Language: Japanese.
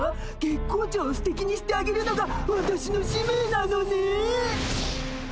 月光町をすてきにしてあげるのがわたしの使命なのね。